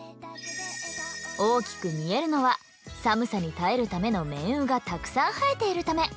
大きく見えるのは寒さに耐えるための綿羽がたくさん生えているため。